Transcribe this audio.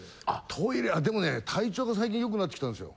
トイレはでもね体調が最近良くなってきたんですよ。